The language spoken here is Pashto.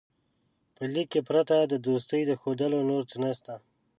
په لیک کې پرته د دوستۍ له ښودلو نور څه نسته.